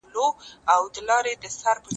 زرکاله کیږي پر بندو لارو